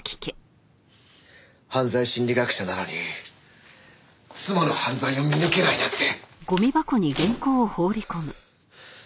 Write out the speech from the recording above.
犯罪心理学者なのに妻の犯罪を見抜けないなんて。